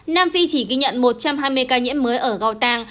nam phi chỉ ghi nhận một trăm hai mươi ca nhiễm mới ở gotang